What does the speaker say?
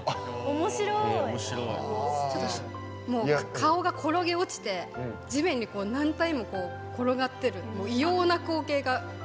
顔が転げ落ちて地面に何体も転がってる異様な光景が。